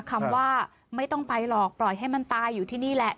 คำว่าไม่ต้องไปหรอกปล่อยให้มันตายอยู่ที่นี่แหละ